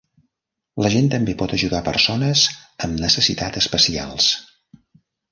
L'agent també pot ajudar persones amb necessitat especials.